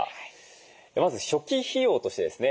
まず初期費用としてですね